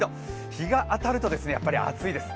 日が当たると暑いです。